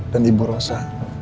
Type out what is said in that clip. dan ibu rosa